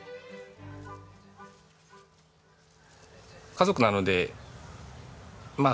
家族なのでまあ